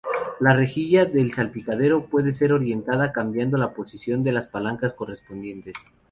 La rejilla del salpicadero puede ser orientada cambiando la posición de las palancas correspondientes.